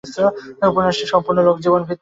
উপন্যাসটি সম্পূর্ণ লোকজীবনভিত্তিক।